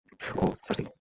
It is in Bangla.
ওহ, সার্সি।